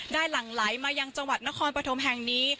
ได้หลังไหลมาอย่างจังหวัดนครประถมแห่งนี้